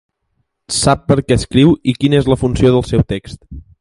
Sap per què escriu i quina és la funció del seu text.